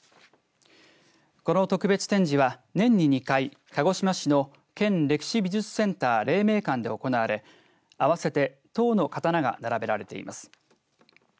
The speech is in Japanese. この特別展示は、年に２回鹿児島市の県歴史・美術センター黎明館で行われ合わせて１０の刀が並べられています。